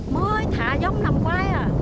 mới thả giống nông gốc ấy à